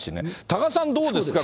多賀さん、どうですか？